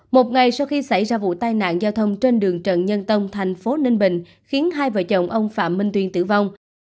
một ngày sau khi xảy ra vụ tai nạn giao thông trên đường trần nhân tông thành phố ninh bình khiến hai vợ chồng ông phạm minh tuyên tử vong